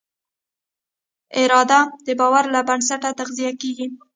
اراده د باور له بنسټه تغذیه کېږي.